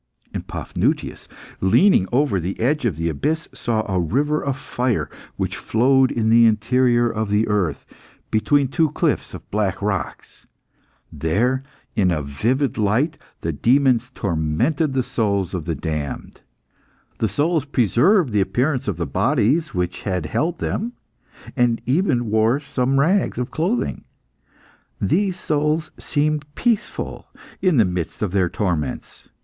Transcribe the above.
And Paphnutius, leaning over the edge of the abyss, saw a river of fire which flowed in the interior of the earth, between two cliffs of black rocks. There, in a livid light, the demons tormented the souls of the damned. The souls preserved the appearance of the bodies which had held them, and even wore some rags of clothing. These souls seemed peaceful in the midst of their torments.